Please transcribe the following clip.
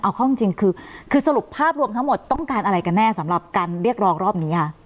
เอาเข้าจริงคือสรุปภาพรวมทั้งหมดต้องการอะไรกันแน่สำหรับการเรียกร้องรอบนี้ค่ะ